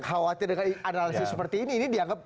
khawatir dengan analisis seperti ini ini dianggap